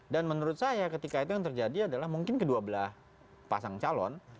dan menurut saya ketika itu yang terjadi adalah mungkin kedua belah pasang calon